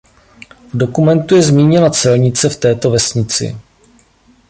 V dokumentu je zmíněna celnice v této vesnici.